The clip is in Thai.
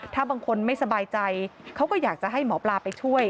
ถ้าบางคนไม่สบายใจเขาก็อยากจะให้หมอปลาไปช่วย